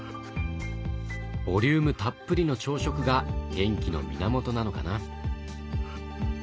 ボリュームたっぷりの朝食が元気の源なのかな。